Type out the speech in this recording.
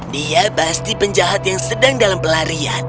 dia pasti penjahat yang sedang dalam pelarian